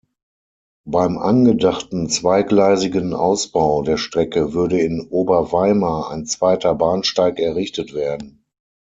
Beim angedachten zweigleisigen Ausbau der Strecke würde in Oberweimar ein zweiter Bahnsteig errichtet werden.